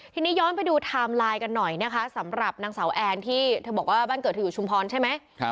ทีนี้ย้อนไปดูไทม์ไลน์กันหน่อยนะคะสำหรับนางสาวแอนที่เธอบอกว่าบ้านเกิดเธออยู่ชุมพรใช่ไหม